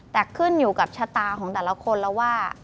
แต่ขึ้นอยู่กับชะตาของแต่ละคนแล้วว่า